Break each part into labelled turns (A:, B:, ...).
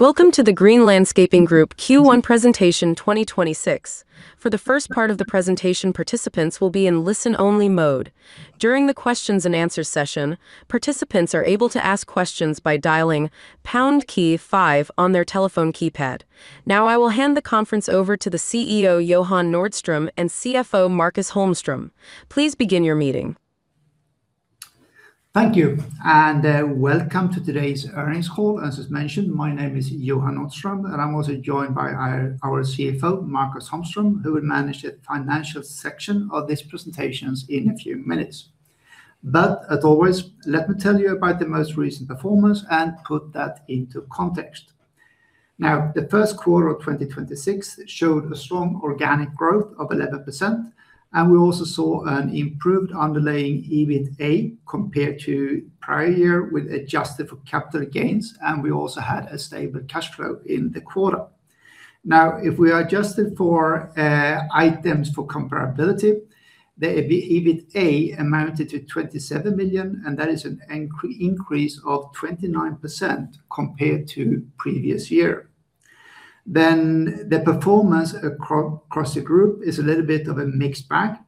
A: Welcome to the Green Landscaping Group Q1 presentation 2026. For the first part of the presentation, participants will be in listen-only mode. During the questions-and-answers session, participants are able to ask questions by dialing pound key five on their telephone keypad. Now, I will hand the conference over to the CEO, Johan Nordström, and CFO Marcus Holmström. Please begin your meeting.
B: Thank you, and welcome to today's earnings call. As is mentioned, my name is Johan Nordström, and I'm also joined by our CFO, Marcus Holmström, who will manage the financial section of these presentations in a few minutes. As always, let me tell you about the most recent performance and put that into context. The first quarter of 2026 showed a strong organic growth of 11%, and we also saw an improved underlying EBITA compared to prior year with adjusted for capital gains, and we also had a stable cash flow in the quarter. If we adjusted for items for comparability, the EBITA amounted to 27 million, and that is an increase of 29% compared to previous year. The performance across the group is a little bit of a mixed bag.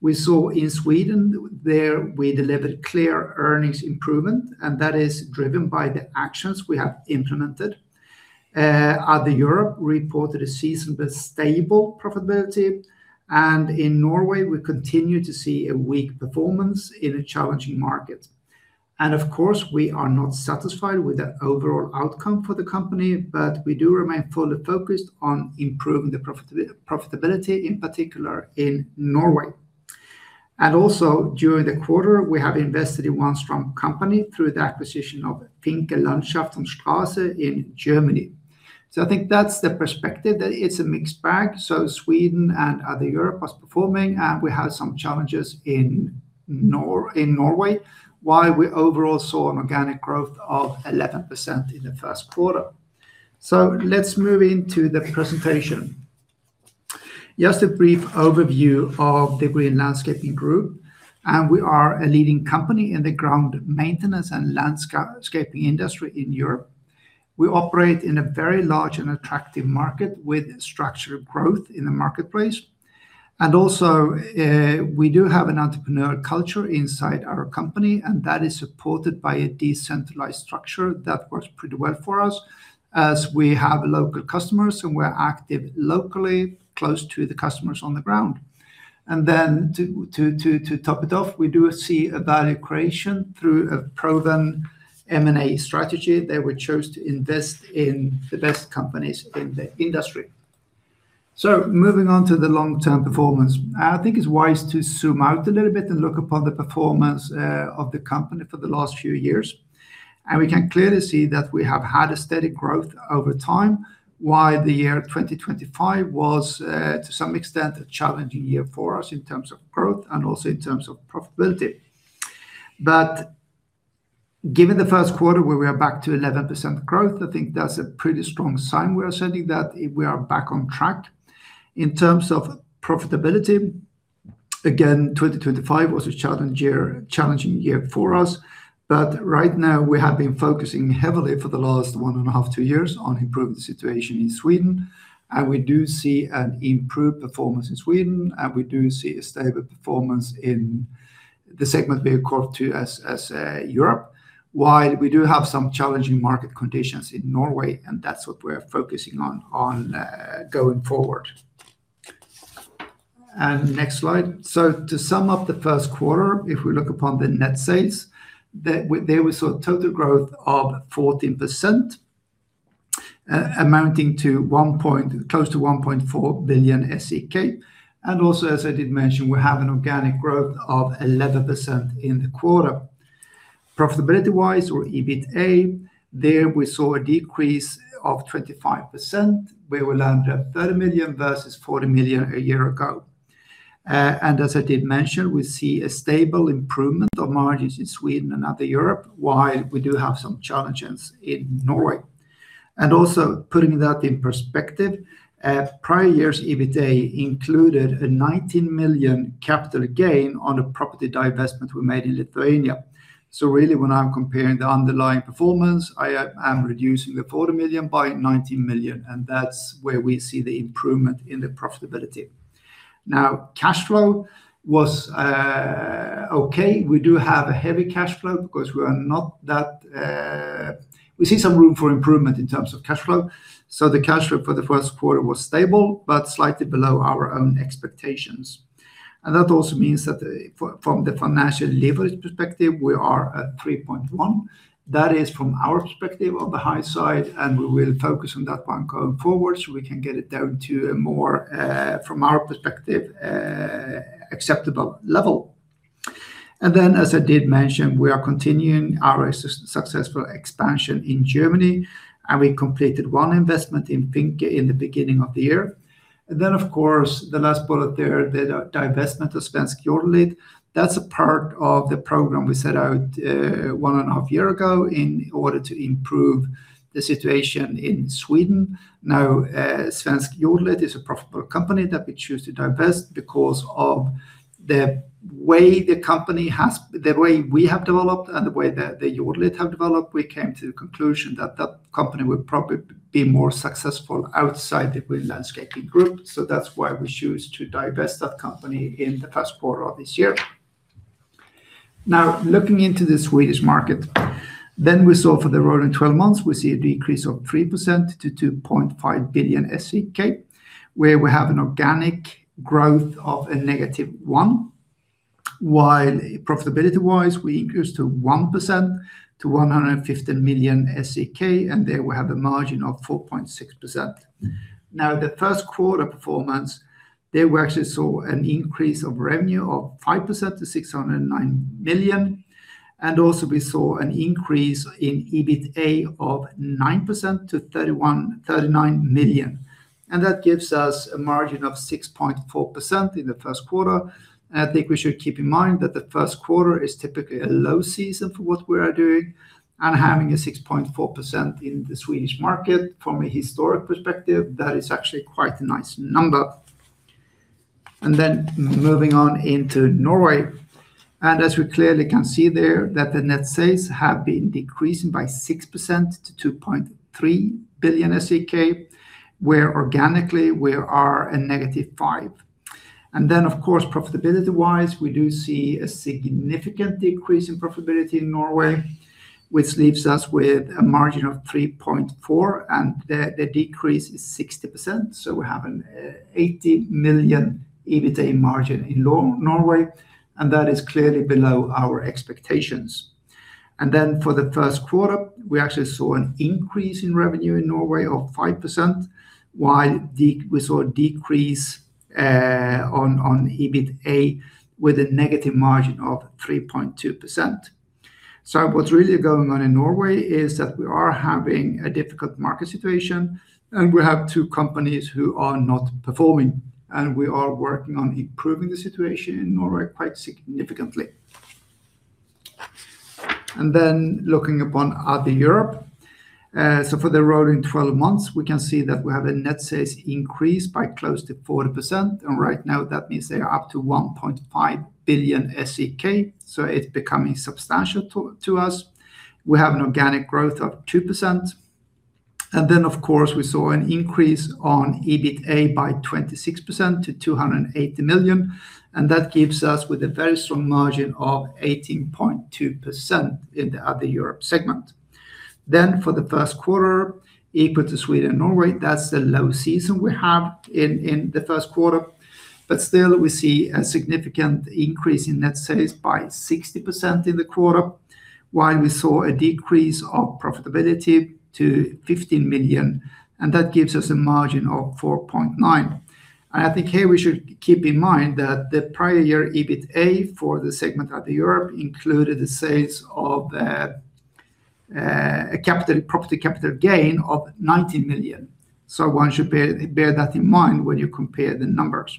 B: We saw in Sweden there we delivered clear earnings improvement, and that is driven by the actions we have implemented. Other Europe reported a season with stable profitability, and in Norway, we continue to see a weak performance in a challenging market. Of course, we are not satisfied with the overall outcome for the company, but we do remain fully focused on improving the profitability, in particular in Norway. Also, during the quarter, we have invested in one strong company through the acquisition of Finke Landschaft + Straße in Germany. I think that's the perspective, that it's a mixed bag, Sweden and Other Europe was performing, and we had some challenges in Norway, while we overall saw an organic growth of 11% in the first quarter. Let's move into the presentation. Just a brief overview of the Green Landscaping Group, we are a leading company in the ground maintenance and landscaping industry in Europe. We operate in a very large and attractive market with structured growth in the marketplace. Also, we do have an entrepreneurial culture inside our company, and that is supported by a decentralized structure that works pretty well for us as we have local customers and we're active locally close to the customers on the ground. Then to top it off, we do see a value creation through a proven M&A strategy that we chose to invest in the best companies in the industry. Moving on to the long-term performance, I think it's wise to zoom out a little bit and look upon the performance of the company for the last few years. We can clearly see that we have had a steady growth over time, while the year 2025 was to some extent, a challenging year for us in terms of growth and also in terms of profitability. Given the first quarter where we are back to 11% growth, I think that's a pretty strong sign we are sending that we are back on track. In terms of profitability, again, 2025 was a challenging year for us. We have been focusing heavily for the last one and a half years and two years on improving the situation in Sweden, and we do see an improved performance in Sweden, and we do see a stable performance in the segment we call Europe, while we do have some challenging market conditions in Norway, and that's what we're focusing on going forward. Next slide. To sum up the first quarter, if we look upon the net sales, there we saw total growth of 14%, amounting to 1.4 billion SEK. As I did mention, we have an organic growth of 11% in the quarter. Profitability-wise or EBITA, there we saw a decrease of 25%. We will land at 30 million versus 40 million a year ago. As I did mention, we see a stable improvement of margins in Sweden and Other Europe, while we do have some challenges in Norway. Also putting that in perspective, prior year's EBITA included a 19 million capital gain on a property divestment we made in Lithuania. Really when I'm comparing the underlying performance, I am reducing the 40 million by 19 million, and that's where we see the improvement in the profitability. Cash flow was okay. We do have a heavy cash flow because we are not that. We see some room for improvement in terms of cash flow. The cash flow for the first quarter was stable but slightly below our own expectations. That also means that from the financial leverage perspective, we are at 3.1. That is from our perspective on the high side, we will focus on that one going forward so we can get it down to a more from our perspective acceptable level. As I did mention, we are continuing our successful expansion in Germany, we completed one investment in Finke in the beginning of the year. Of course, the last bullet there, the divestment of Svensk Jordelit, that's a part of the program we set out one and a half year ago in order to improve the situation in Sweden. Now, Svensk Jordelit is a profitable company that we choose to divest because of the way the company has. That's why we choose to divest that company in the first quarter of this year. Looking into the Swedish market, we saw for the rolling 12 months, we see a decrease of 3% to 2.5 billion SEK, where we have an organic growth of a -1%. Profitability-wise, we increase to 1% to 150 million SEK, there we have a margin of 4.6%. The first quarter performance, there we actually saw an increase of revenue of 5% to 609 million, also we saw an increase in EBITA of 9% to 39 million. That gives us a margin of 6.4% in the first quarter. I think we should keep in mind that the Q1 is typically a low season for what we are doing, and having a 6.4% in the Swedish market from a historic perspective, that is actually quite a nice number. Moving on into Norway. As we clearly can see there, that the net sales have been decreasing by 6% to 2.3 billion SEK, where organically we are a -5%. Of course, profitability-wise, we do see a significant decrease in profitability in Norway, which leaves us with a margin of 3.4%, and the decrease is 60%, so we have an 80 million EBITA margin in Norway, and that is clearly below our expectations. For the first quarter, we actually saw an increase in revenue in Norway of 5%, while we saw a decrease on EBITA with a negative margin of 3.2%. What's really going on in Norway is that we are having a difficult market situation, and we have two companies who are not performing, and we are working on improving the situation in Norway quite significantly. Looking upon Other Europe, for the rolling 12 months, we can see that we have a net sales increase by close to 40%, and right now that means they are up to 1.5 billion SEK, it's becoming substantial to us. We have an organic growth of 2%. Of course, we saw an increase on EBITA by 26% to 280 million, and that gives us with a very strong margin of 18.2% in the Other Europe segment. For the first quarter, equal to Sweden and Norway, that's the low season we have in the first quarter. Still, we see a significant increase in net sales by 60% in the quarter, while we saw a decrease of profitability to 15 million, and that gives us a margin of 4.9%. I think here we should keep in mind that the prior year EBITA for the segment Other Europe included the sales of a capital, property capital gain of 19 million. One should bear that in mind when you compare the numbers.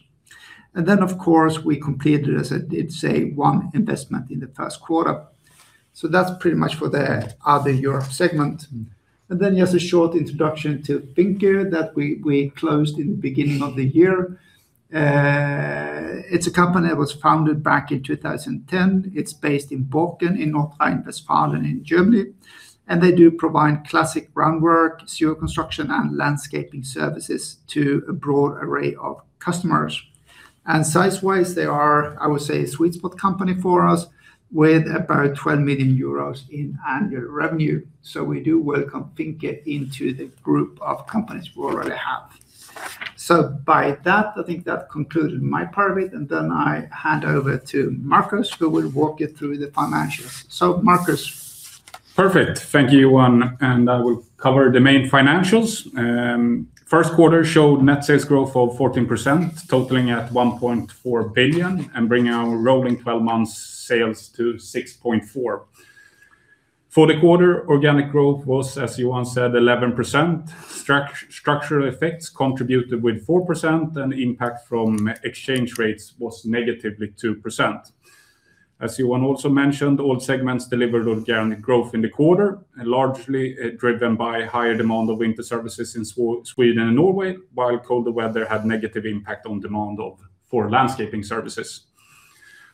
B: Of course, we completed, as I did say, one investment in the first quarter. That's pretty much for the Other Europe segment. Then just a short introduction to Finke that we closed in the beginning of the year. It's a company that was founded back in 2010. It's based in Borken, in North Rhine-Westphalia in Germany. They do provide classic groundwork, sewer construction, and landscaping services to a broad array of customers. Size-wise, they are, I would say, a sweet spot company for us with about 12 million euros in annual revenue. We do welcome Finke into the group of companies we already have. By that, I think that concluded my part of it, then I hand over to Marcus, who will walk you through the financials. Marcus?
C: Perfect. Thank you, Johan, and I will cover the main financials. First quarter showed net sales growth of 14%, totaling at 1.4 billion and bringing our rolling 12 months sales to 6.4 billion. For the quarter, organic growth was, as Johan said, 11%. Structural effects contributed with 4%, and impact from exchange rates was -2%. As Johan also mentioned, all segments delivered organic growth in the quarter, largely driven by higher demand of winter services in Sweden and Norway, while colder weather had negative impact on demand for landscaping services.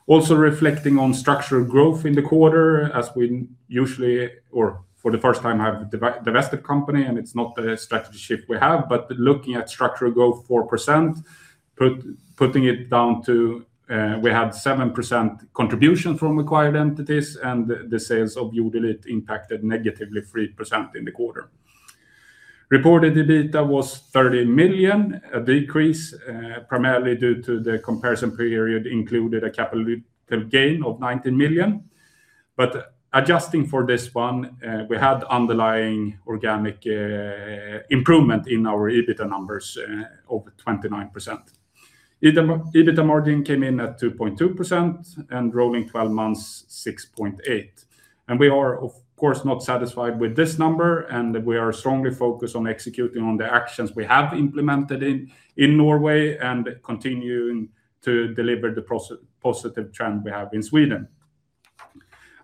C: Reflecting on structural growth in the quarter as we usually, or for the first time, have divested company and it's not a strategy shift we have, looking at structural growth 4%, putting it down to, we had 7% contribution from acquired entities and the sales of Jordelit impacted -3% in the quarter. Reported EBITA was 30 million, a decrease primarily due to the comparison period included a capital gain of 19 million. Adjusting for this one, we had underlying organic improvement in our EBITA numbers of 29%. EBITA margin came in at 2.2% and rolling 12 months, 6.8%. We are, of course, not satisfied with this number, and we are strongly focused on executing on the actions we have implemented in Norway and continuing to deliver the positive trend we have in Sweden.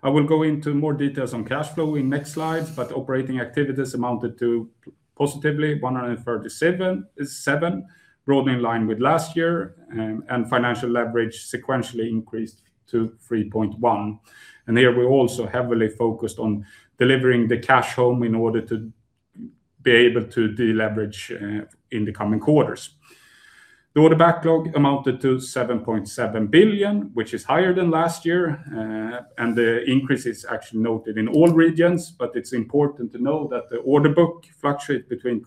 C: I will go into more details on cash flow in next slide, but operating activities amounted to positively 137.7, broadly in line with last year. Financial leverage sequentially increased to 3.1. Here we also heavily focused on delivering the cash home in order to be able to deleverage in the coming quarters. The order backlog amounted to 7.7 billion, which is higher than last year. The increase is actually noted in all regions, but it's important to know that the order book fluctuates between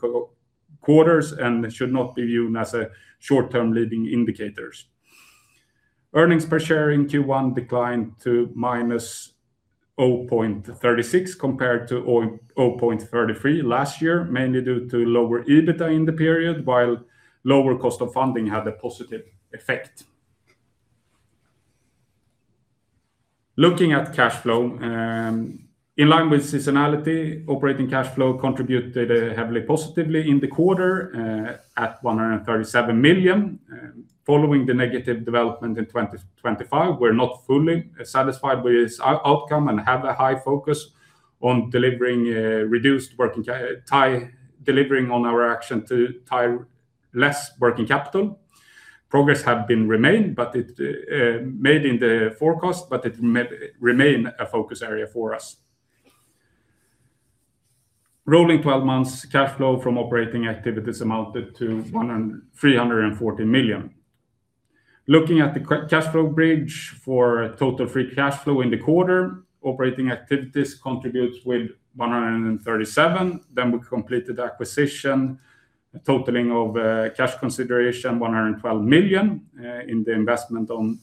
C: quarters and should not be viewed as a short-term leading indicators. Earnings per share in Q1 declined to -0.36 compared to -0.33 last year, mainly due to lower EBITDA in the period, while lower cost of funding had a positive effect. Looking at cash flow, in line with seasonality, operating cash flow contributed heavily positively in the quarter, at 137 million. Following the negative development in 2025, we're not fully satisfied with this outcome and have a high focus on delivering on our action to tie less working capital. Progress have been remained, but it made in the forecast, but it remains a focus area for us. Rolling 12 months cash flow from operating activities amounted to 340 million. Looking at the cash flow bridge for total free cash flow in the quarter, operating activities contributes with 137. We completed acquisition totaling cash consideration 112 million in the investment on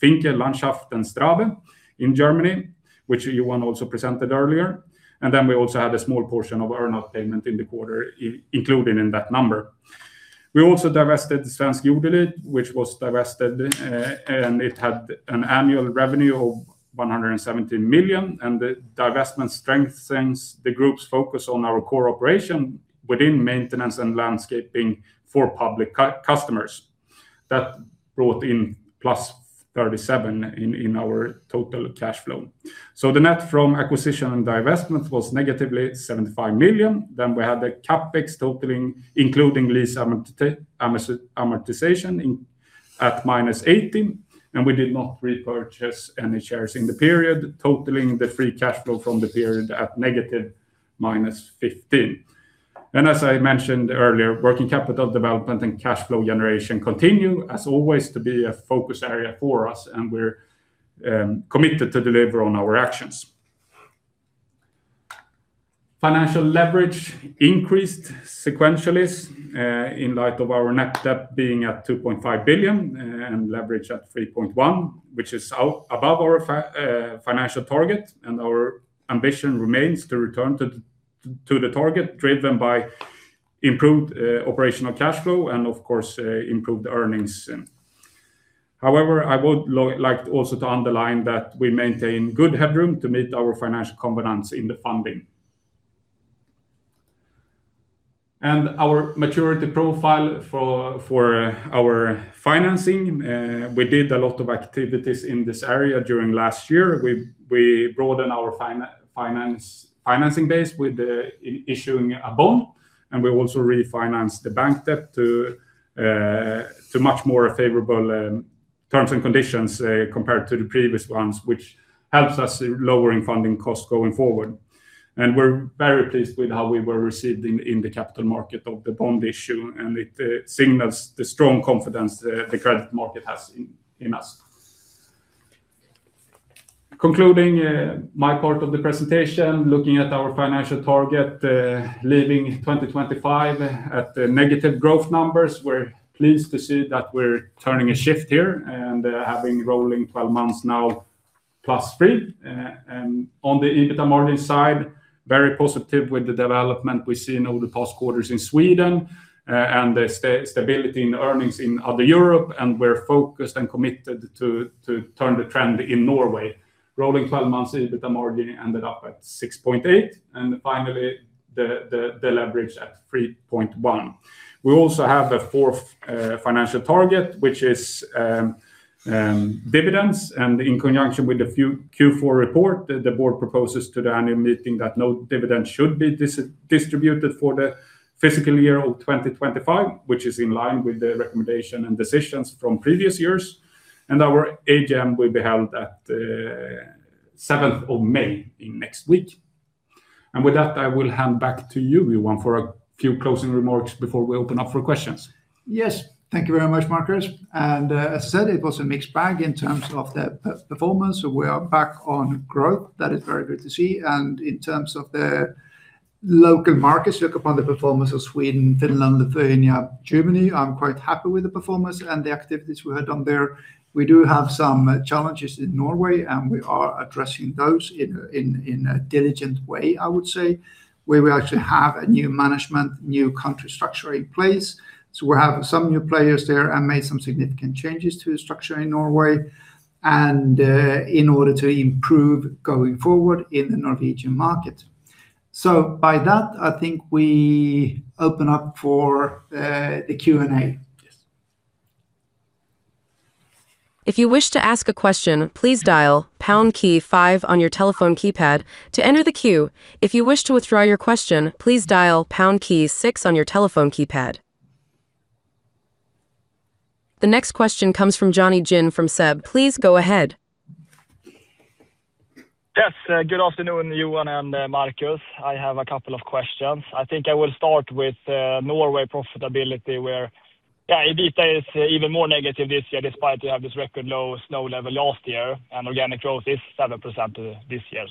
C: Finke Landschaft + Straße in Germany, which Johan also presented earlier. We also had a small portion of earn-out payment in the quarter included in that number. We also divested Svensk Jordelit, which was divested, and it had an annual revenue of 117 million, and the divestment strengthens the group's focus on our core operation within maintenance and landscaping for public customers. That brought in +37 million in our total cash flow. The net from acquisition and divestment was -75 million. We had the CapEx totaling including lease amortization, at -18 million, and we did not repurchase any shares in the period, totaling the free cash flow from the period at -15 million. As I mentioned earlier, working capital development and cash flow generation continue, as always, to be a focus area for us, and we're committed to deliver on our actions. Financial leverage increased sequentially in light of our net debt being at 2.5 billion and leverage at 3.1 billion, which is above our financial target, and our ambition remains to return to the target driven by improved operational cash flow and of course, improved earnings. However, I would like also to underline that we maintain good headroom to meet our financial commitments in the funding. Our maturity profile for our financing, we did a lot of activities in this area during last year. We broaden our financing base with issuing a bond, and we also refinanced the bank debt to much more favorable terms and conditions compared to the previous ones, which helps us in lowering funding costs going forward. We're very pleased with how we were received in the capital market of the bond issue, and it signals the strong confidence the credit market has in us. Concluding my part of the presentation, looking at our financial target, leaving 2025 at the negative growth numbers, we're pleased to see that we're turning a shift here and having rolling 12 months now plus three. On the EBITDA margin side, very positive with the development we see in all the past quarters in Sweden, and the stability in earnings in Other Europe, and we're focused and committed to turn the trend in Norway. Rolling 12 months EBITDA margin ended up at 6.8%, finally, the leverage at 3.1%. We also have a fourth financial target, which is dividends. In conjunction with the full Q4 report, the board proposes to the annual meeting that no dividends should be distributed for the fiscal year of 2025, which is in line with the recommendation and decisions from previous years. Our AGM will be held at 7th of May in next week. With that, I will hand back to you, Johan, for a few closing remarks before we open up for questions.
B: Yes. Thank you very much, Marcus. As said, it was a mixed bag in terms of the performance. We are back on growth. That is very good to see. In terms of the local markets, look upon the performance of Sweden, Finland, Lithuania, Germany. I'm quite happy with the performance and the activities we had done there. We do have some challenges in Norway. We are addressing those in a diligent way, I would say, where we actually have a new management, new country structure in place. We have some new players there. Made some significant changes to the structure in Norway in order to improve going forward in the Norwegian market. By that, I think we open up for the Q&A.
C: Yes.
A: If you wish to ask a question, please dial pound key five on your telephone keypad to enter the queue. If you wish to withdraw your question, please dial pound key six on your telephone keypad. The next question comes from Jonny Jin from SEB. Please go ahead.
D: Yes, good afternoon, Johan and Marcus. I have a couple of questions. I think I will start with Norway profitability, where, yeah, EBITDA is even more negative this year despite they have this record low snow level last year, and organic growth is 7% this year.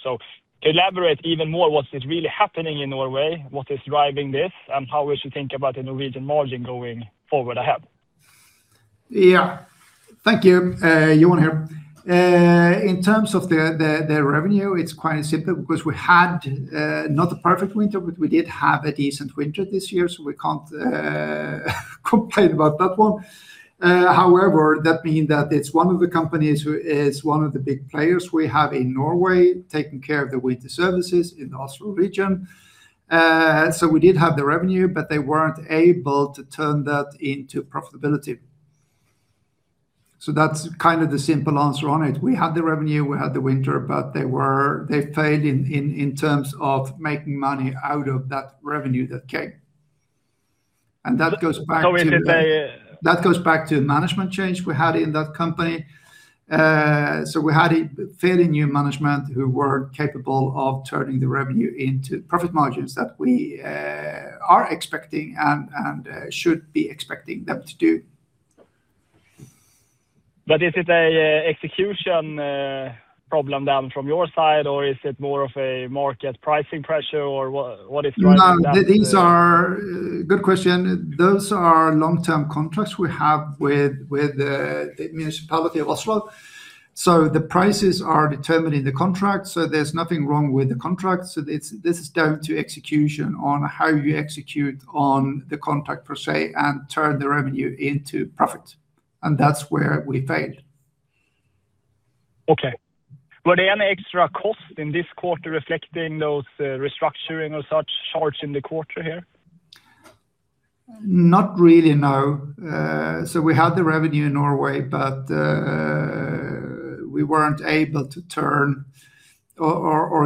D: Elaborate even more what is really happening in Norway, what is driving this, and how we should think about the Norwegian margin going forward ahead.
B: Yeah. Thank you. Johan here. In terms of the revenue, it's quite simple because we had not a perfect winter, but we did have a decent winter this year, so we can't complain about that one. However, that being that it's one of the companies who is one of the big players we have in Norway taking care of the winter services in Oslo region. We did have the revenue, but they weren't able to turn that into profitability. That's kind of the simple answer on it. We had the revenue, we had the winter, but they failed in terms of making money out of that revenue that came.
D: Is it.
B: That goes back to management change we had in that company. We had a fairly new management who weren't capable of turning the revenue into profit margins that we are expecting and should be expecting them to do.
D: Is it an execution problem down from your side, or is it more of a market pricing pressure, or what is driving down the-?
B: No, these are. Good question. Those are long-term contracts we have with the municipality of Oslo. The prices are determined in the contract. There is nothing wrong with the contract. This is down to execution on how you execute on the contract per se and turn the revenue into profit, and that's where we failed.
D: Okay. Were there any extra costs in this quarter reflecting those, restructuring or such charge in the quarter here?
B: Not really, no. We had the revenue in Norway, but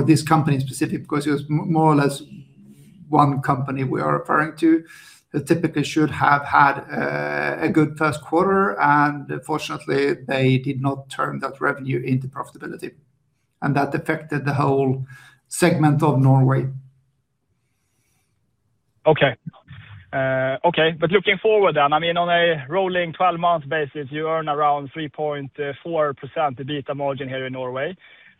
B: this company specific because it was more or less one company we are referring to that typically should have had a good first quarter, and unfortunately, they did not turn that revenue into profitability, and that affected the whole segment of Norway.
D: Looking forward then, I mean, on a rolling 12-month basis, you earn around 3.4% EBITDA margin here in Norway.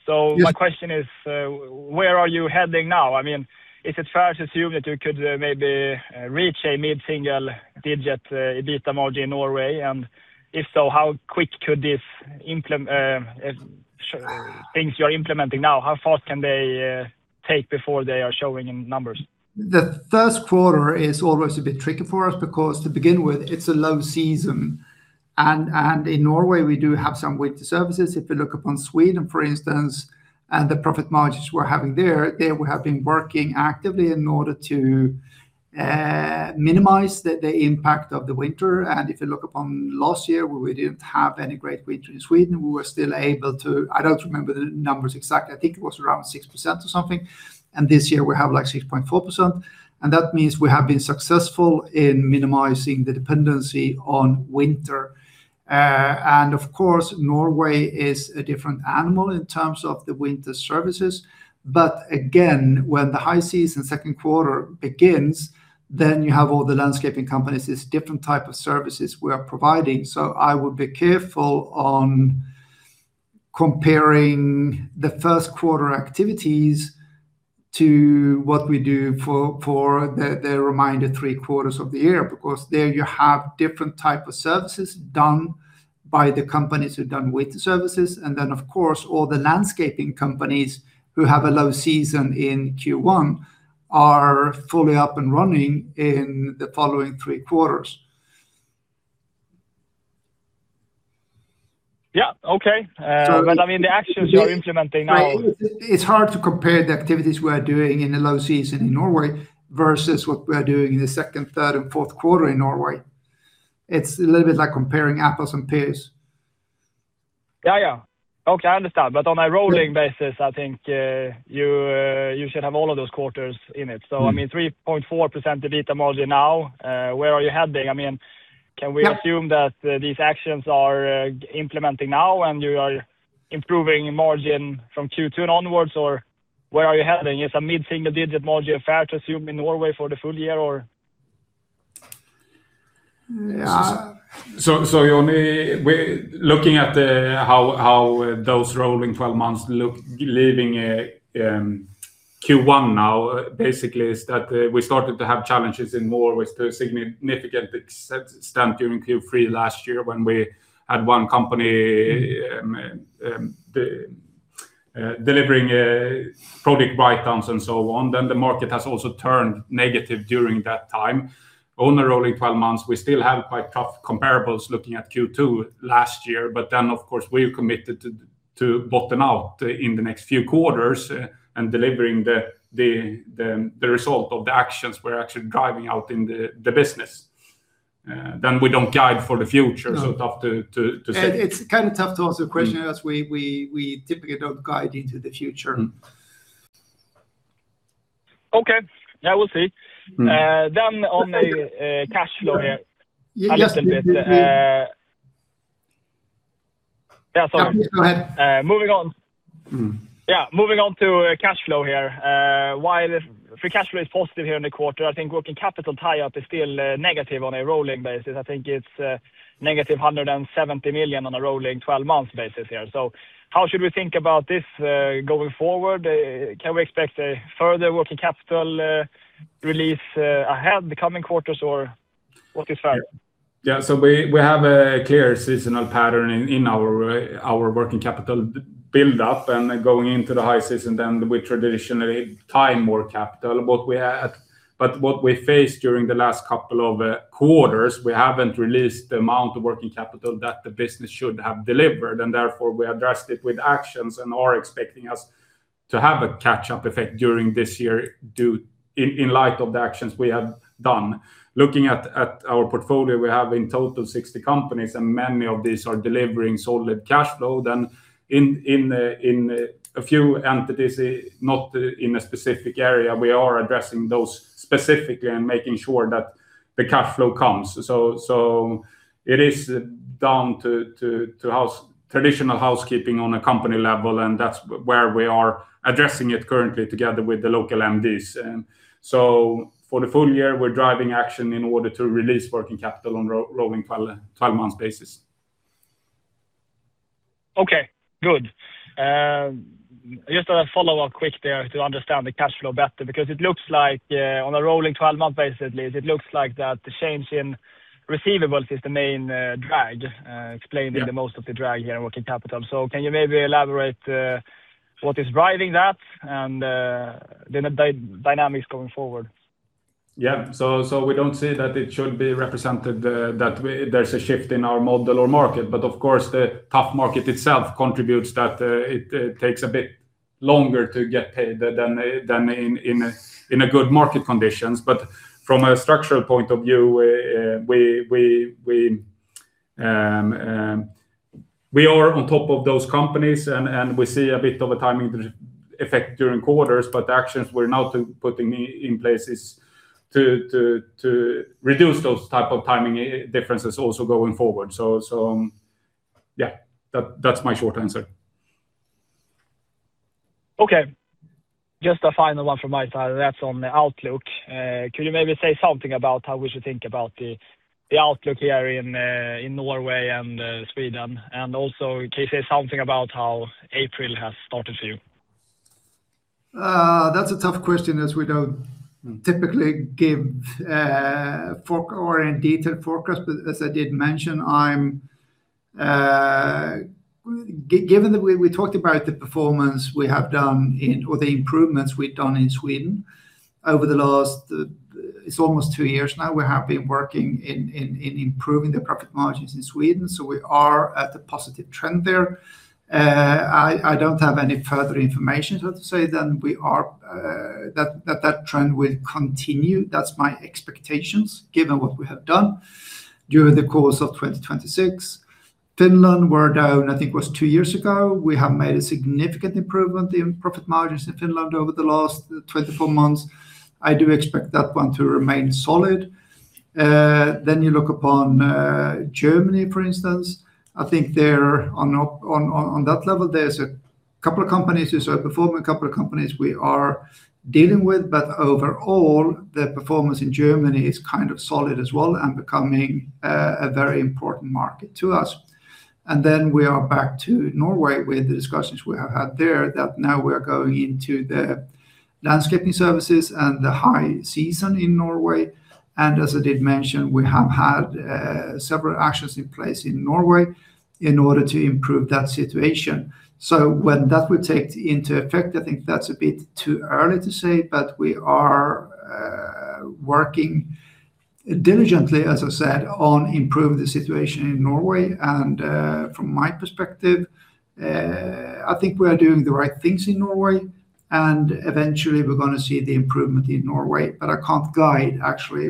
B: Yes.
D: My question is, where are you heading now? I mean, is it fair to assume that you could maybe reach a mid-single digit EBITDA margin in Norway? If so, how quick could this things you're implementing now, how fast can they take before they are showing in numbers?
B: The first quarter is always a bit tricky for us because to begin with, it's a low season. In Norway, we do have some winter services. If you look upon Sweden, for instance, and the profit margins we're having there, they have been working actively in order to minimize the impact of the winter. If you look upon last year where we didn't have any great winter in Sweden, we were still able to. I don't remember the numbers exactly. I think it was around 6% or something. This year we have, like, 6.4%, and that means we have been successful in minimizing the dependency on winter. Of course, Norway is a different animal in terms of the winter services. Again, when the high season second quarter begins, then you have all the landscaping companies. It's different type of services we are providing. I would be careful on comparing the first quarter activities to what we do for the reminder three quarters of the year. There you have different type of services done by the companies who done winter services. Of course, all the landscaping companies who have a low season in Q1 are fully up and running in the following three quarters.
D: Yeah, okay.
B: So-
D: I mean, the actions you are implementing now.
B: It's hard to compare the activities we are doing in the low season in Norway versus what we are doing in the second, third, and fourth quarter in Norway. It's a little bit like comparing apples and pears.
D: Yeah, yeah. Okay, I understand. On a rolling basis, I think, you should have all of those quarters in it. I mean, 3.4% EBITDA margin now. Where are you heading? I mean, can we assume that these actions are implementing now and you are improving margin from Q2 onwards? Where are you heading? Is a mid-single digit margin fair to assume in Norway for the full year or?
B: Yeah.
C: Jonny, looking at how those rolling 12 months look leaving Q1 now, basically is that we started to have challenges in more with the significant extent during Q3 last year when we had one company delivering product breakdowns and so on. The market has also turned negative during that time. On a rolling 12 months, we still have quite tough comparables looking at Q2 last year. Of course, we're committed to bottom out in the next few quarters and delivering the result of the actions we're actually driving out in the business. We don't guide for the future.
B: No
C: Tough to say.
B: It's kinda tough to answer the question as we typically don't guide into the future.
C: Mm.
D: Okay. Yeah, we'll see.
C: Mm.
D: On the cash flow here a little bit.
B: Yes, please.
D: Yeah, sorry.
B: Go ahead.
D: Moving on.
C: Mm.
D: Moving on to cash flow here. While the free cash flow is positive here in the quarter, I think working capital tie-up is still negative on a rolling basis. I think it's -170 million on a rolling 12 months basis here. How should we think about this going forward? Can we expect a further working capital release ahead the coming quarters, or what is fair?
C: Yeah, we have a clear seasonal pattern in our working capital build up. Going into the high season then we traditionally tie more capital what we had. What we faced during the last couple of quarters, we haven't released the amount of working capital that the business should have delivered, and therefore we addressed it with actions and are expecting us to have a catch-up effect during this year in light of the actions we have done. Looking at our portfolio, we have in total 60 companies, many of these are delivering solid cash flow. In a few entities, not in a specific area, we are addressing those specifically and making sure that the cash flow comes. So it is down to house- traditional housekeeping on a company level, and that's where we are addressing it currently together with the local MDs. For the full year we're driving action in order to release working capital on rolling 12 months basis.
D: Okay. Good. Just a follow-up quick there to understand the cash flow better because it looks like, on a rolling 12-month basis, at least, it looks like that the change in receivables is the main drag.
C: Yeah
D: Explaining the most of the drag here in working capital. Can you maybe elaborate, what is driving that and, then the dynamics going forward?
C: Yeah. We don't see that it should be represented that there's a shift in our model or market, but of course the tough market itself contributes that it takes a bit longer to get paid than in a good market conditions. From a structural point of view, we are on top of those companies and we see a bit of a timing effect during quarters, but the actions we're now putting in place is to reduce those type of timing differences also going forward. Yeah, that's my short answer.
D: Okay. Just a final one from my side, and that's on the outlook. Could you maybe say something about how we should think about the outlook here in Norway and, Sweden? Also, can you say something about how April has started for you?
B: That's a tough question as we.
C: Mm
B: Typically give, or a detailed forecast. As I did mention, given that we talked about the performance we have done in or the improvements we've done in Sweden over the last, it's almost two years now, we have been working in improving the profit margins in Sweden, so we are at the positive trend there. I don't have any further information so to say than we are, that trend will continue. That's my expectations given what we have done during the course of 2026. Finland, we're down, I think it was two years ago. We have made a significant improvement in profit margins in Finland over the last 24 months. I do expect that one to remain solid. You look upon Germany, for instance. I think there on that level there's a couple of companies who are performing, couple of companies we are dealing with. Overall, the performance in Germany is kind of solid as well and becoming a very important market to us. Then we are back to Norway with the discussions we have had there, that now we are going into the landscaping services and the high season in Norway. As I did mention, we have had several actions in place in Norway in order to improve that situation. When that will take into effect, I think that's a bit too early to say, but we are working diligently, as I said, on improve the situation in Norway. From my perspective, I think we are doing the right things in Norway, and eventually we're gonna see the improvement in Norway, but I can't guide actually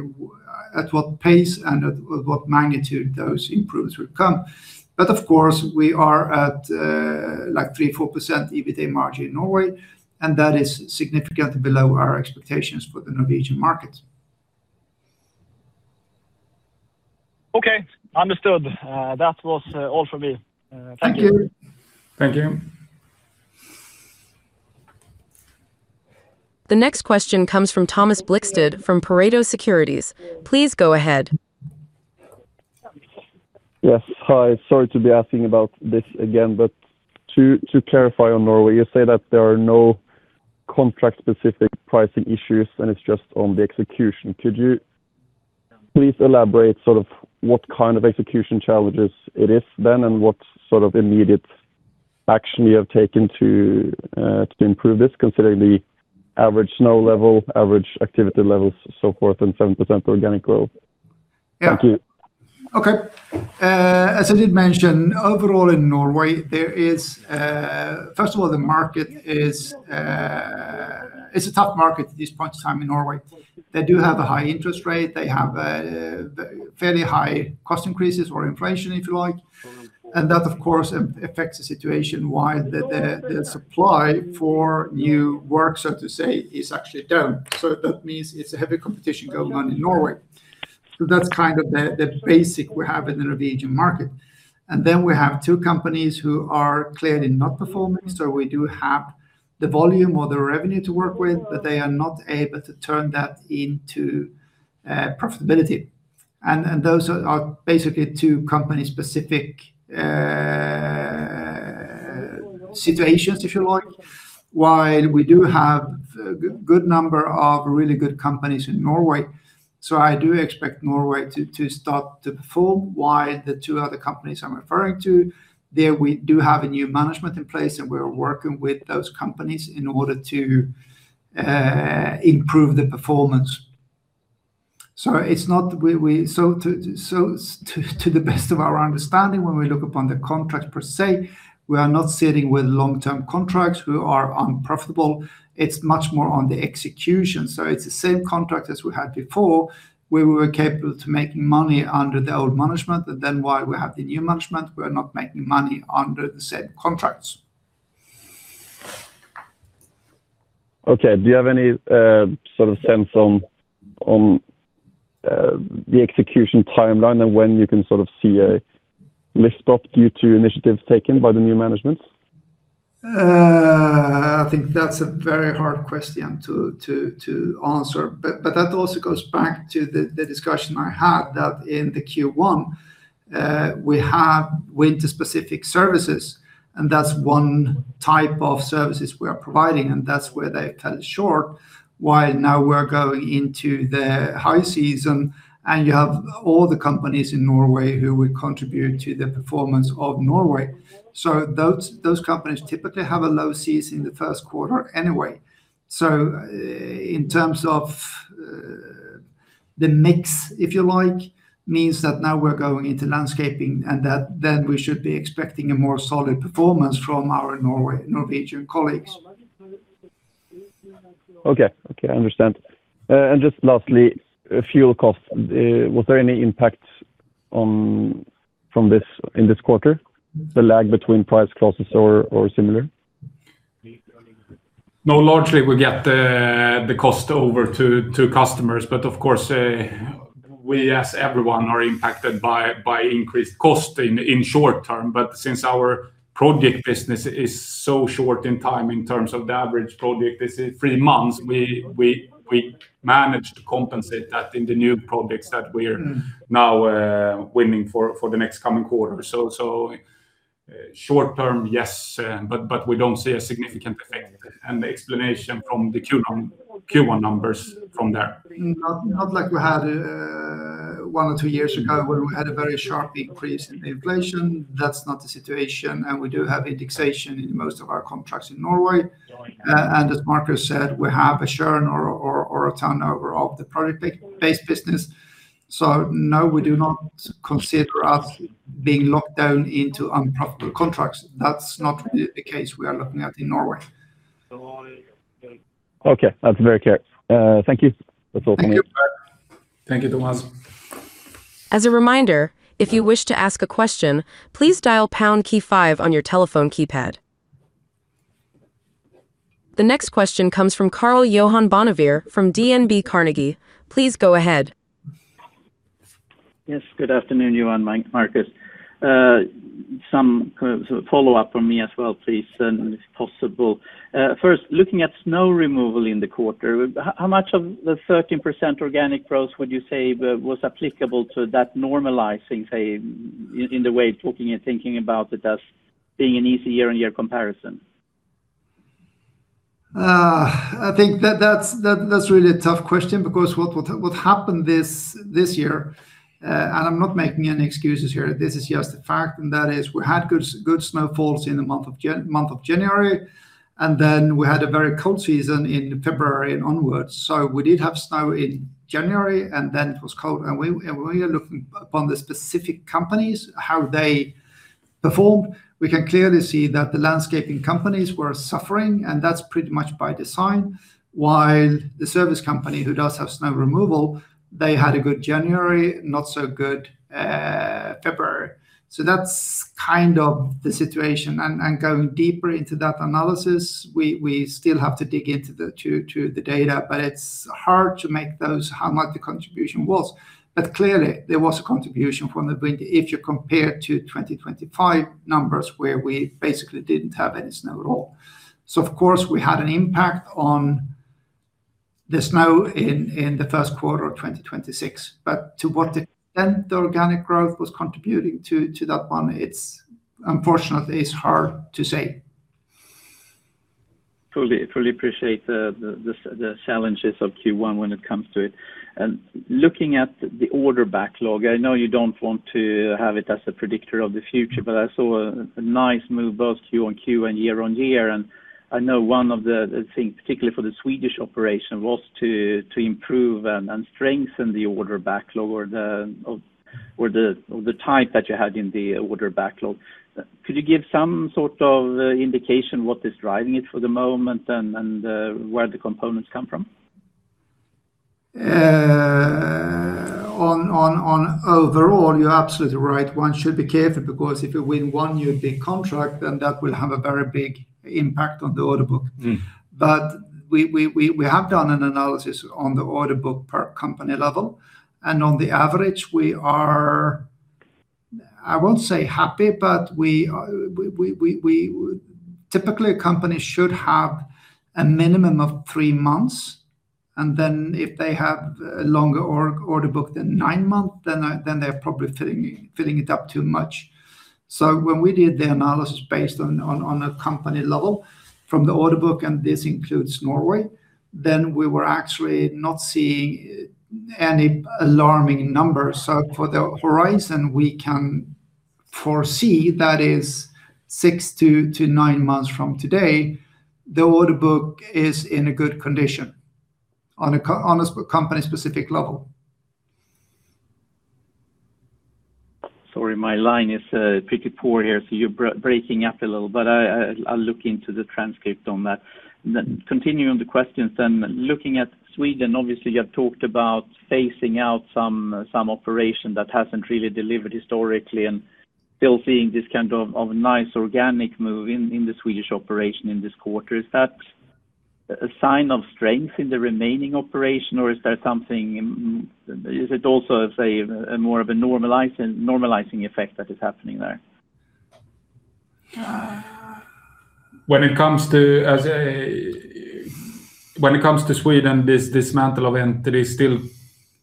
B: at what pace and at what magnitude those improvements will come. Of course, we are at like 3%-4% EBITA margin in Norway, and that is significantly below our expectations for the Norwegian market.
D: Okay. Understood. That was all from me. Thank you.
B: Thank you.
C: Thank you.
A: The next question comes from Thomas Blikstad from Pareto Securities. Please go ahead.
E: Yes. Hi. Sorry to be asking about this again, but to clarify on Norway, you say that there are no contract specific pricing issues and it's just on the execution. Could you please elaborate sort of what kind of execution challenges it is then and what sort of immediate action you have taken to improve this considering the average snow level, average activity levels, so forth, and 7% organic growth?
B: Yeah.
E: Thank you.
B: As I did mention, overall in Norway, there is, first of all, the market is, it's a tough market at this point in time in Norway. They do have a high interest rate. They have fairly high cost increases or inflation, if you like, and that of course affects the situation while the, the supply for new work, so to say, is actually down. That means it's a heavy competition going on in Norway. That's kind of the basic we have in the Norwegian market, and then we have two companies who are clearly not performing. We do have the volume or the revenue to work with, but they are not able to turn that into profitability, and those are basically two company specific situations, if you like. While we do have a good number of really good companies in Norway. I do expect Norway to start to perform while the two other companies I'm referring to, there we do have a new management in place, and we are working with those companies in order to improve the performance. It's not we. To the best of our understanding, when we look upon the contract per se, we are not sitting with long-term contracts who are unprofitable. It's much more on the execution. It's the same contract as we had before, where we were capable to making money under the old management. While we have the new management, we are not making money under the same contracts.
E: Okay. Do you have any sort of sense on the execution timeline and when you can sort of see a lift-off due to initiatives taken by the new management?
B: I think that's a very hard question to answer, but that also goes back to the discussion I had that in the Q1, we have winter specific services, and that's one type of services we are providing, and that's where they cut it short. Now we're going into the high season, and you have all the companies in Norway who will contribute to the performance of Norway. Those companies typically have a low season in the first quarter anyway. In terms of the mix, if you like, means that now we're going into landscaping and that then we should be expecting a more solid performance from our Norway, Norwegian colleagues.
E: Okay. Okay. I understand. Just lastly, fuel costs. Was there any impact from this, in this quarter, the lag between price crosses or similar?
C: Largely we get the cost over to customers, but of course, we, as everyone, are impacted by increased cost in short term. Since our project business is so short in time in terms of the average project is three months, we manage to compensate that in the new projects that we're now winning for the next coming quarter. Short term, yes, but we don't see a significant effect, and the explanation from the Q1 numbers from there.
B: Not like we had one or two years ago where we had a very sharp increase in inflation. That's not the situation. We do have indexation in most of our contracts in Norway. As Marcus said, we have a churn or a turnover of the product based business. No, we do not consider us being locked down into unprofitable contracts. That's not the case we are looking at in Norway.
E: Okay. That's very clear. Thank you. That's all from me.
B: Thank you.
C: Thank you, Thomas.
A: As a reminder, if you wish to ask a question please dial pound key five on your telephone keypad. The next question comes from Karl-Johan Bonnevier from DNB Carnegie. Please go ahead.
F: Yes. Good afternoon, Johan and Marcus. Some kind of follow-up from me as well, please, then, if possible. First, looking at snow removal in the quarter, how much of the 13% organic growth would you say was applicable to that normalizing, say, in the way talking and thinking about it as being an easy year-on-year comparison?
B: I think that's really a tough question because what happened this year, and I'm not making any excuses here, this is just a fact, and that is we had good snowfalls in the month of January, and then we had a very cold season in February and onwards. We did have snow in January, and then it was cold, and we are looking upon the specific companies, how they performed. We can clearly see that the landscaping companies were suffering, and that's pretty much by design. While the service company who does have snow removal, they had a good January, not so good, February. That's kind of the situation, and going deeper into that analysis, we still have to dig into the data, but it's hard to make those how much the contribution was. Clearly, there was a contribution from the winter if you compare to 2025 numbers, where we basically didn't have any snow at all. Of course, we had an impact on the snow in the first quarter of 2026. To what extent the organic growth was contributing to that one, it's unfortunately hard to say.
F: Totally appreciate the challenges of Q1 when it comes to it. Looking at the order backlog, I know you don't want to have it as a predictor of the future, but I saw a nice move both Q-on-Q and year-on-year, and I know one of the things, particularly for the Swedish operation, was to improve and strengthen the order backlog or the type that you had in the order backlog. Could you give some sort of indication what is driving it for the moment and where the components come from?
B: On overall, you're absolutely right. One should be careful because if you win one big contract, then that will have a very big impact on the order book.
F: Mm.
B: We have done an analysis on the order book per company level, on the average we are, I won't say happy, but we are. Typically, a company should have a minimum of three months. If they have a longer order book than nine months, then they're probably filling it up too much. When we did the analysis based on a company level from the order book, this includes Norway, we were actually not seeing any alarming numbers. For the horizon we can foresee, that is six months-nine months from today, the order book is in a good condition on a company specific level.
F: Sorry, my line is pretty poor here, so you're breaking up a little, but I'll look into the transcript on that. Continuing the questions then, looking at Sweden, obviously you have talked about phasing out some operation that hasn't really delivered historically and still seeing this kind of nice organic move in the Swedish operation in this quarter. Is that a sign of strength in the remaining operation, or is there something Is it also, say, a more of a normalizing effect that is happening there?
C: When it comes to Sweden, this dismantle of entity still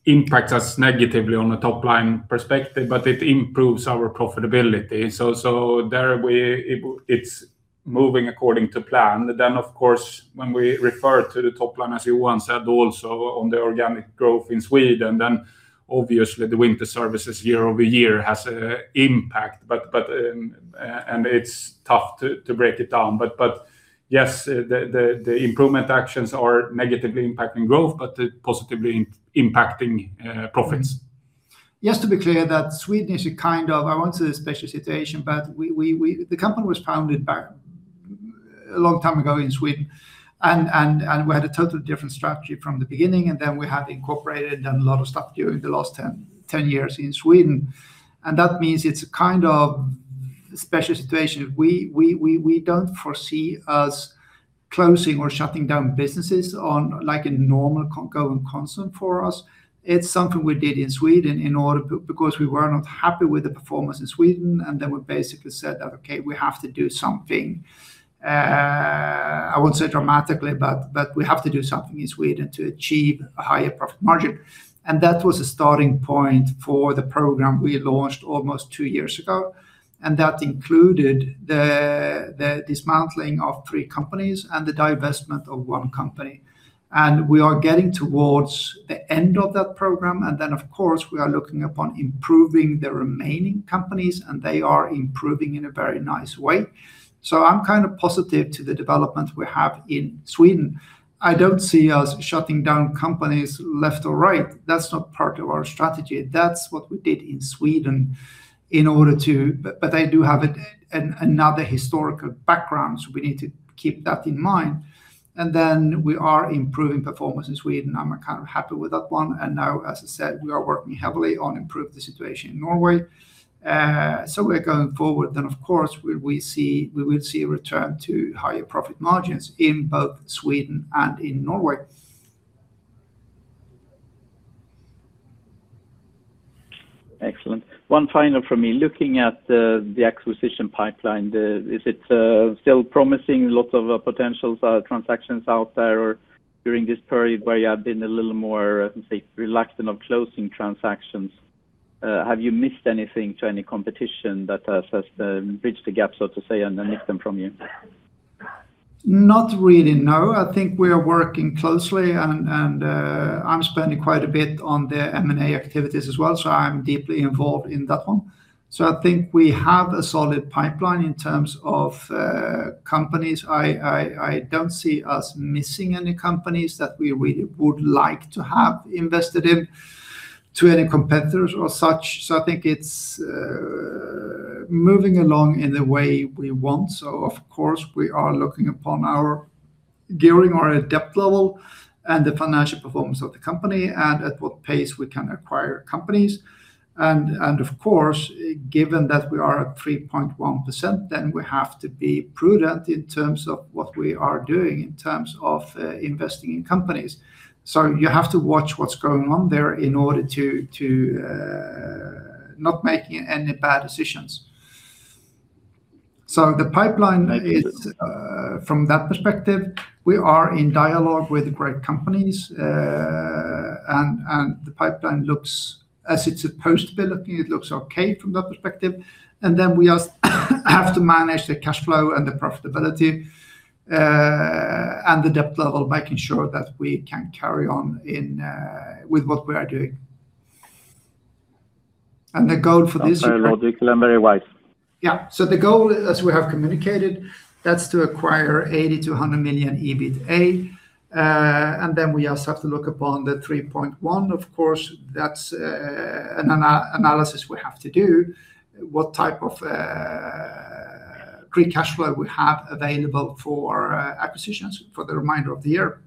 C: impacts us negatively on a top line perspective, but it improves our profitability. There we, it's moving according to plan. Of course, when we refer to the top line, as you once said also on the organic growth in Sweden, obviously the winter services year-over-year has a impact. It's tough to break it down. Yes, the improvement actions are negatively impacting growth, but they're positively impacting profits.
B: Just to be clear that Sweden is a kind of, I won't say a special situation. The company was founded back a long time ago in Sweden and we had a totally different strategy from the beginning, and then we have incorporated and done a lot of stuff during the last 10 years in Sweden, and that means it's a kind of special situation. We don't foresee us closing or shutting down businesses on like a normal going concern for us. It's something we did in Sweden in order because we were not happy with the performance in Sweden. Then we basically said that, Okay, we have to do something. I won't say dramatically, but we have to do something in Sweden to achieve a higher profit margin. That was a starting point for the program we launched almost two years ago. That included the dismantling of three companies and the divestment of one company. We are getting towards the end of that program. Then of course, we are looking upon improving the remaining companies, and they are improving in a very nice way. I'm kind of positive to the development we have in Sweden. I don't see us shutting down companies left or right. That's not part of our strategy. That's what we did in Sweden in order to... They do have another historical background, so we need to keep that in mind. We are improving performance in Sweden. I'm kind of happy with that one. Now, as I said, we are working heavily on improve the situation in Norway. We're going forward. Of course, we will see a return to higher profit margins in both Sweden and in Norway.
F: Excellent. One final from me. Looking at the acquisition pipeline, is it still promising lots of potential transactions out there or during this period where you have been a little more, let's say, relaxed about closing transactions? Have you missed anything to any competition that has bridged the gap, so to say, and then nicked them from you?
B: Not really, no. I think we are working closely and I'm spending quite a bit on the M&A activities as well, so I'm deeply involved in that one. I think we have a solid pipeline in terms of companies. I don't see us missing any companies that we really would like to have invested in to any competitors or such. I think it's moving along in the way we want. Of course we are looking upon our gearing or a debt level and the financial performance of the company and at what pace we can acquire companies. Of course, given that we are at 3.1%, then we have to be prudent in terms of what we are doing in terms of investing in companies. You have to watch what's going on there in order to not making any bad decisions. the pipeline is-
F: Thank you....
B: from that perspective, we are in dialogue with great companies. The pipeline looks as it's supposed to be looking. It looks okay from that perspective. We have to manage the cash flow and the profitability and the debt level, making sure that we can carry on with what we are doing. The goal for this year.
F: Sounds very logical and very wise.
B: The goal, as we have communicated, that's to acquire 80 million-100 million EBITA. We also have to look upon the 3.1. Of course, that's an analysis we have to do, what type of free cash flow we have available for acquisitions for the remainder of the year.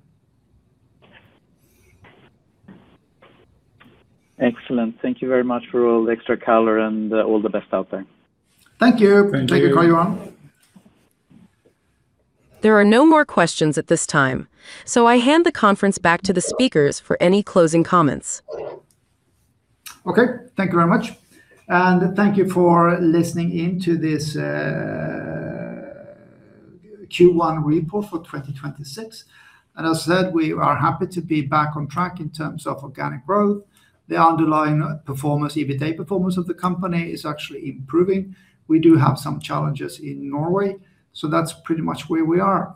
F: Excellent. Thank you very much for all the extra color and all the best out there.
B: Thank you.
C: Thank you.
B: Thank you. Karl-Johan.
A: There are no more questions at this time, so I hand the conference back to the speakers for any closing comments.
B: Okay. Thank you very much. Thank you for listening in to this Q1 report for 2026. As I said, we are happy to be back on track in terms of organic growth. The underlying performance, EBITA performance of the company is actually improving. We do have some challenges in Norway. That's pretty much where we are.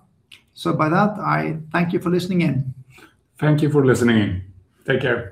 B: By that, I thank you for listening in.
C: Thank you for listening in. Take care.